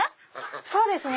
そうですね